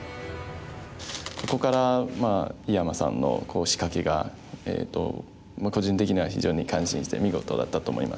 ここから井山さんの仕掛けが個人的には非常に感心した見事だったと思います。